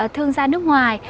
thương gia nước ngoài